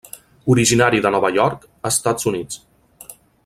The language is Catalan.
Originari de Nova York, Estats Units.